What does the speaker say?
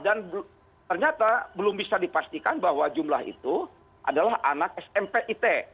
dan ternyata belum bisa dipastikan bahwa jumlah itu adalah anak smp it